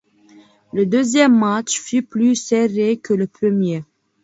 Le deuxième match fut plus serré que le premier.